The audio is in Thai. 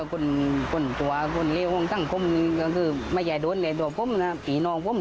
ก็พูดเจอก่อนตั้งความสุดเหลือว่าพี่ไวเดช่ีใช้การใหม่